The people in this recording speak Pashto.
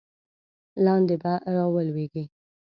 لاندې به را ولویږې.